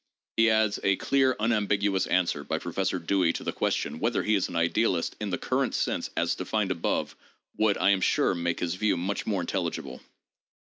He adds, "A clear unambiguous answer by Professor Dewey to the question whether he is an idealist in the current sense as defined above would, I am sure, make his view much more intelligible."